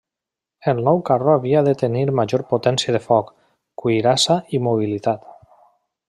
El nou carro havia de tenir major potència de foc, cuirassa i mobilitat.